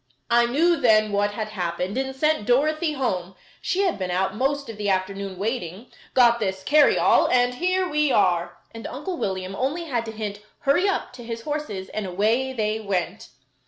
I knew then what had happened, and sent Dorothy home, she had been out most of the afternoon waiting got this carryall, and here we are," and Uncle William only had to hint "hurry up" to his horses and away they went.